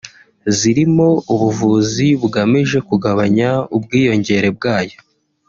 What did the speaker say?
zirimo ubuvuzi bugamije kugabanya ubwiyongere bwayo